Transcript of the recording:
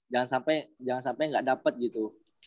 jangan sampe gak dapet gitu